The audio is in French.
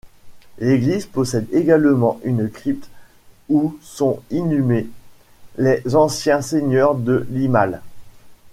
L’église possède également une crypte où sont inhumés les anciens seigneurs de Limal.